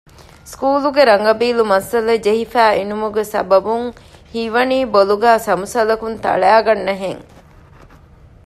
ސުކޫލުގެ ރަނގަބީލު މައްސަލަ ޖެހިފައި އިނުމުގެ ސަބަބުން ހީވަނީ ބޮލުގައި ސަމުސަލަކުން ތަޅައިގަންނަހެން